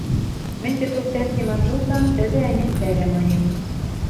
Мӹнь Петров тӓнгем анжылтам, тӹдӹ, ӓнят, пӓлӓ, маньым.